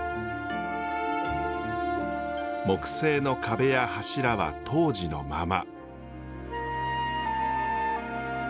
木製の壁や柱は当時のまま。